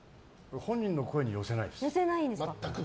本人の声に寄せないです。